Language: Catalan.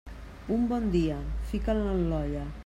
Un bon dia, fica'l en l'olla.